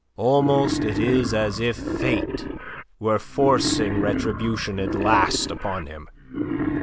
Almost it is as if Fate were forcing retribution at last upon him.